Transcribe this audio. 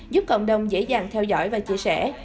giúp cộng đồng dễ dàng theo dõi và chia sẻ